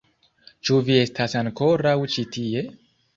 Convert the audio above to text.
Ĉu vi estas ankoraŭ ĉi tie?